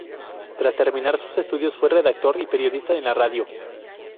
Tras terminar sus estudios fue redactor y periodista en la radio.